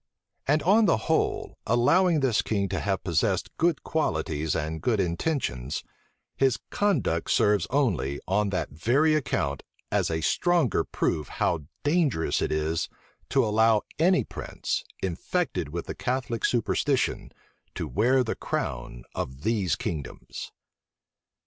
And on the whole, allowing this king to have possessed good qualities and good intentions, his conduct serves only, on that very account, as a stronger proof how dangerous it is to allow any prince, infected with the Catholic superstition, to wear the crown of these kingdoms.